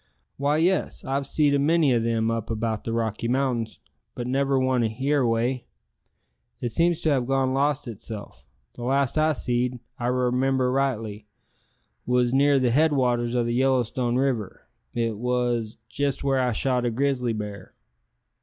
"Why, yes, I've seed a many o' them up about the Rocky Mountains, but never one here away. It seems to have gone lost itself. The last I seed, if I remimber rightly, wos near the head waters o' the Yellowstone River, it wos jest where I shot a grizzly bar."